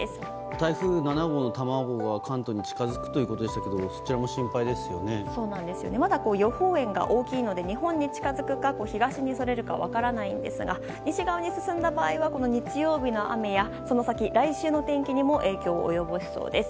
台風７号の卵が、関東に近づくということでしたけどまだ予報円が大きいので日本に近づくか、東にそれるか分からないんですが西側に進んだ場合は日曜日の雨やその先、来週の天気にも影響を及ぼしそうです。